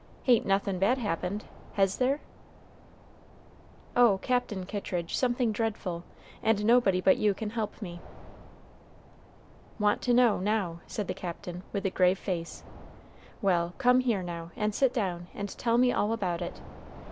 "Hain't nothin' bad happened, hes there?" "Oh! Captain Kittridge, something dreadful; and nobody but you can help me." "Want to know, now!" said the Captain, with a grave face. "Well, come here, now, and sit down, and tell me all about it.